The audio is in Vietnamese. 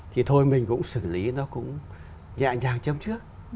thì thôi mình cũng xử lý nó cũng dạ dàng trong trước